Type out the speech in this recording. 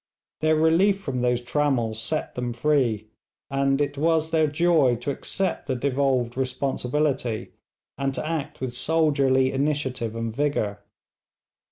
Their relief from those trammels set them free, and it was their joy to accept the devolved responsibility, and to act with soldierly initiative and vigour.